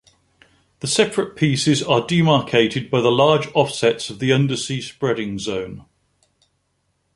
The separate pieces are demarcated by the large offsets of the undersea spreading zone.